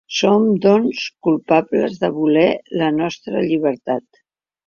Som, doncs, culpables de voler la nostra llibertat.